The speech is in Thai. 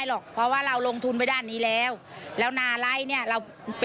จำนวน๓ล้าน๗แสนราย